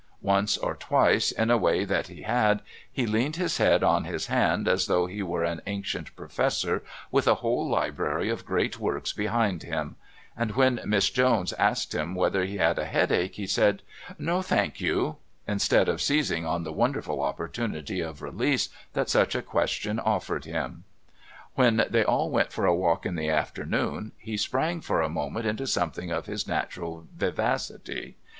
Once or twice, in a way that he had, he leaned his head on his hand as though he were an ancient professor with a whole library of great works behind him, and when Miss Jones asked him whether he had a headache he said: "No, thank you," instead of seizing on the wonderful opportunity of release that such a question offered him. When they all went for a walk in the afternoon, he sprang for a moment into something of his natural vivacity.